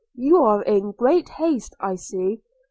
You are in great haste, I see.